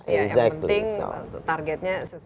yang penting targetnya sesuai